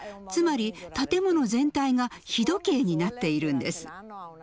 つまり建物全体が「日時計」になっているんです。